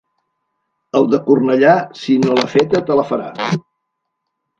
El de Cornellà, si no l'ha feta, te la farà.